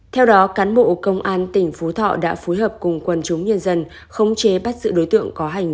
theo đó cán bộ công an tỉnh phú thọ đã phối hợp cùng quân chúng nhân dân